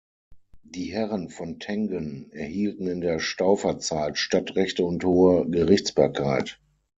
Die Herren von Tengen erhielten in der Stauferzeit Stadtrechte und Hohe Gerichtsbarkeit.